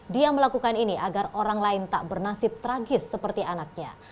dia melakukan ini agar orang lain tak bernasib tragis seperti anaknya